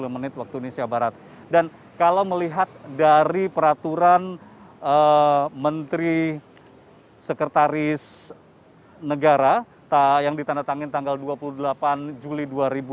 dua puluh menit waktu indonesia barat dan kalau melihat dari peraturan menteri sekretaris negara yang ditandatangani tanggal dua puluh delapan juli dua ribu dua puluh